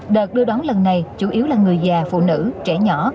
đợt đưa đón lần này chủ yếu là người già phụ nữ trẻ nhỏ